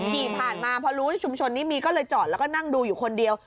ขี่ผ่านมาพอรู้ชุมชนนี้มีก็เลยจอดแล้วก็นั่งดูอยู่คนเดียว